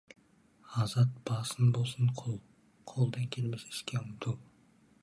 Азат басың болсын құл, қолдан келмес іске ұмтыл.